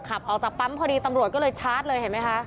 ขับออกจากปั๊มพอดีตำรวจก็เลยชาร์จเลยเห็นไหมคะ